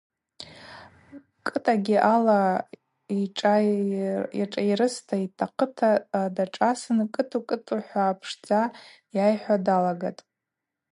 Кӏытӏагьи ала ашӏайрысра йтахъыта дашӏасын – Кӏытӏу, кӏытӏу – хӏва пшдза айхӏвуа далагатӏ.